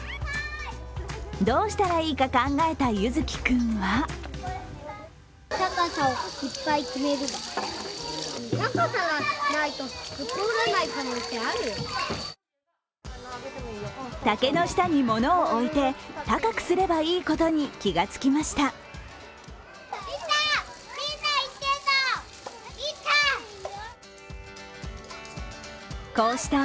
どうしたらいいか考えたゆづきくんは竹の下に物を置いて高くすればいいことに気が付きました。